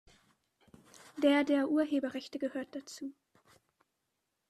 Der der Urheberrechte gehört dazu.